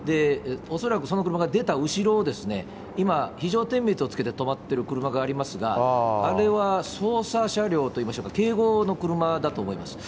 恐らくその車が出た後ろを、今、非常点滅をつけて止まっている車がありますが、あれは捜査車両といいましょうか、警護の車だと思います。